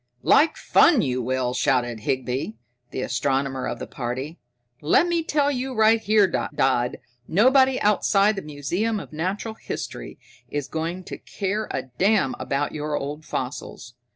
"Like fun you will!" shouted Higby, the astronomer of the party. "Lemme tell you right here, Dodd, nobody outside the Museum of Natural History is going to care a damn about your old fossils.